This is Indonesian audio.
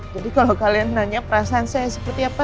kalau kalian nanya perasaan saya seperti apa